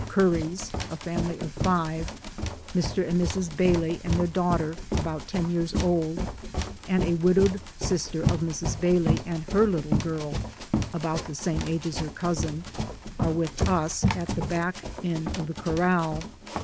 179 Currys — a family of five — Mr. and Mrs. Baily and their daughter, about ten years old, and a widowed sister of Mrs. Baily and her little girl, about the same age as her cousin, are with us at the back end of the corral.